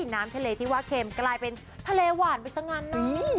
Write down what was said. น้ำทะเลที่ว่าเค็มกลายเป็นทะเลหวานไปซะงั้นนะ